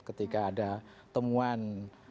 ketika ada temuan